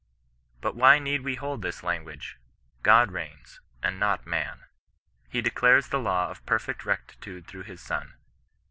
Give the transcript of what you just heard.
But why need we hold this language ? God reigns, and not man. He declares the law of perfect rectitude through, his Son.